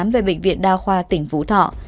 về bệnh viện đa khoa tỉnh phú thọ